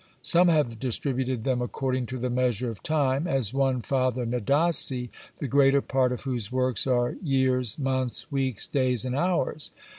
Some have distributed them according to the measure of time, as one Father Nadasi, the greater part of whose works are years, months, weeks, days, and hours.